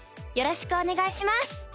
よろしくお願いします。